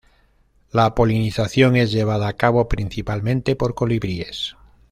La polinización es llevada a cabo principalmente por colibríes.